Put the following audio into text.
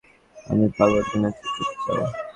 আমি পাগল কিনা চেক করতে চাও?